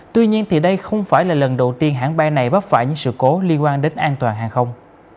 tuy nhiên thì đây không phải là lần đầu tiên hãng bay này vấp phải những sự cố liên quan đến an toàn hàng không